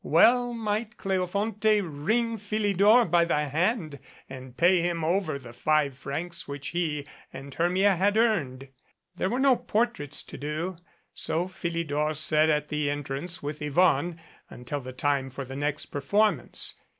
Well might Cleofonte wring Philidor by the hand and pay him over the five francs which he and Hermia had earned! There were no portraits to do, so Philidor sat at the entrance with Yvonne until the time for the next perform ance.